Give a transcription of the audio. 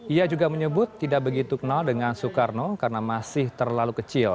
ia juga menyebut tidak begitu kenal dengan soekarno karena masih terlalu kecil